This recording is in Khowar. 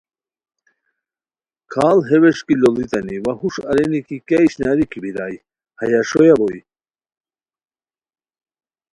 کھاڑ ہے ووݰکی لوڑیتانی وا ہوݰ ارینی کی کیہ اشناری کی بیرائے ہیہ ݰویا بوئے